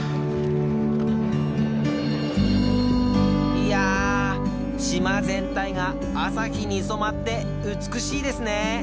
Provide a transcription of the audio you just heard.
いや島全体が朝日に染まって美しいですね。